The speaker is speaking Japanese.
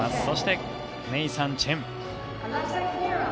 そして、ネイサン・チェン。